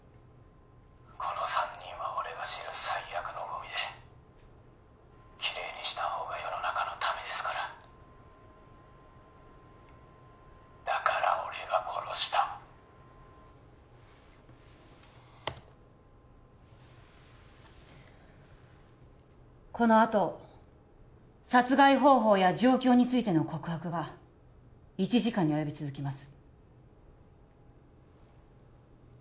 この３人は俺が知る最悪のゴミできれいにしたほうが世の中のためですからだから俺が殺したこのあと殺害方法や状況についての告白が１時間に及び続きます